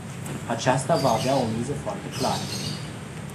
Acesta va avea o miză foarte clară.